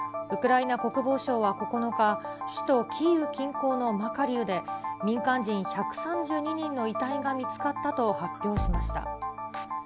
ウクライナ国防省は９日、首都キーウ近郊のマカリウで民間人１３２人の遺体が見つかったと発表しました。